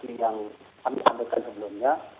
yang kami sampaikan sebelumnya